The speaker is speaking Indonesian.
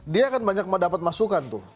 dia kan banyak mendapat masukan tuh